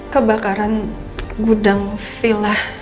kebakaran gudang villa